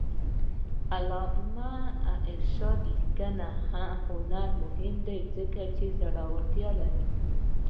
د علامه رشاد لیکنی هنر مهم دی ځکه چې زړورتیا لري.